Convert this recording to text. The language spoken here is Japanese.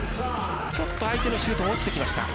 ちょっと相手のシュート落ちてきました。